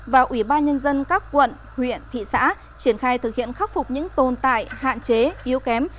và ủy ban nhân dân các quận huyện thị xã triển khai thực hiện khắc phục những tồn tại hạn chế yếu kém